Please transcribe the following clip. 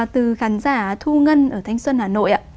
từ khán giả thu ngân ở thanh xuân hà nội ạ